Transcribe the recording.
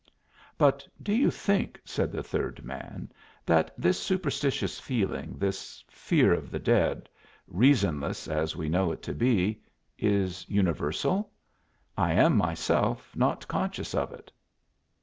"But do you think," said the third man, "that this superstitious feeling, this fear of the dead, reasonless as we know it to be, is universal? I am myself not conscious of it."